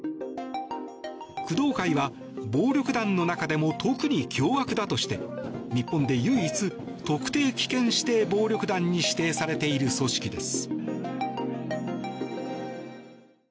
工藤会は暴力団の中でも特に凶悪だとして日本で唯一特定危険指定暴力団に指定されている組織です。